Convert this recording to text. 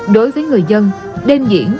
đối với người dân đêm diễn